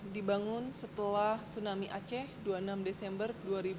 di bangun setelah tsunami aceh dua puluh enam desember dua ribu empat